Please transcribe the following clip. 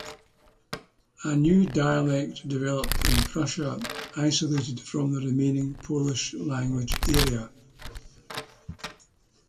A new dialect developed in Prussia, isolated from the remaining Polish language area.